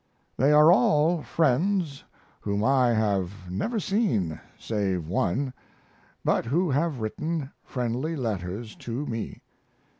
They are all friends whom I have never seen (save one), but who have written friendly letters to me.